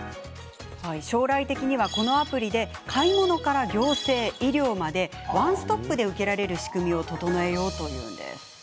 将来的には、このアプリで買い物から行政、医療までワンストップで受けられる仕組みを整えようというのです。